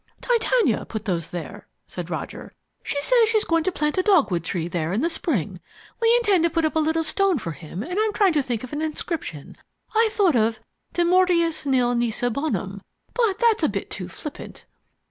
"Titania put those there," said Roger. "She says she's going to plant a dogwood tree there in the spring. We intend to put up a little stone for him, and I'm trying to think of an inscription, I thought of De Mortuis Nil Nisi Bonum, but that's a bit too flippant."